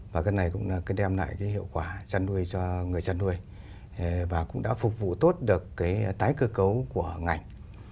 và cái này cũng đem lại cái hiệu quả chăn nuôi cho người chăn nuôi và cũng đã phục vụ tốt được cái tái cơ cấu của ngành